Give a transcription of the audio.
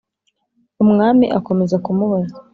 Umwami akomeza kumubaza,